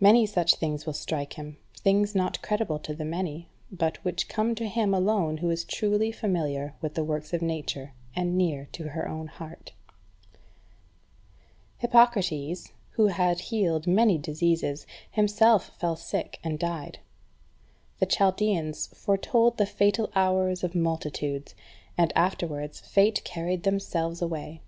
Many such things will strike him, things not credible to the many, but which come to him alone who is truly familiar with the works of Nature and near to her own heart. 3. Hippocrates, who had healed many diseases, himself fell sick, and died. The Chaldeans foretold the fatal hours of multitudes, and afterwards fate carried themselves away.